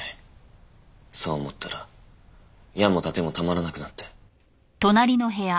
そう思ったら矢も盾もたまらなくなって。